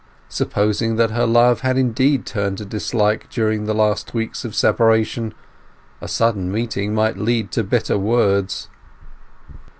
Supposing that her love had indeed turned to dislike during the last weeks of separation, a sudden meeting might lead to bitter words.